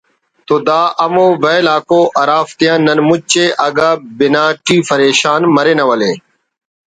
تو دا ہمو ویل آک ءُ ہرافتیان نن مچے اگہ بنا ٹی فریشان مرینہ ولے